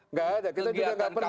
enggak ada kita juga enggak pernah